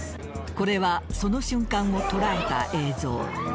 これはその瞬間を捉えた映像。